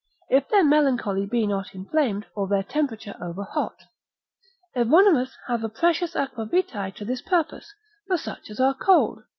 If their melancholy be not inflamed, or their temperature over hot. Evonimus hath a precious aquavitae to this purpose, for such as are cold.